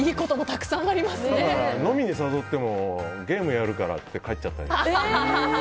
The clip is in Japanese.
ただ飲みに誘ってもゲームやるからって帰っちゃう。